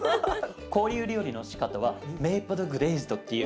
こういう料理のしかたはメイプル・グレーズドっていう。